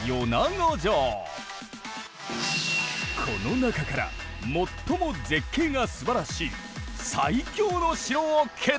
この中から最も絶景がすばらしい「最強の城」を決定！